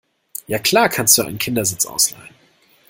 ja klar, kannst du einen Kindersitz ausleihen.